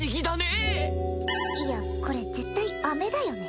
えいやこれ絶対アメだよね？